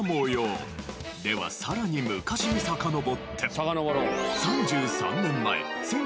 ではさらに昔にさかのぼって。